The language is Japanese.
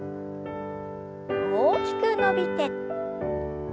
大きく伸びて。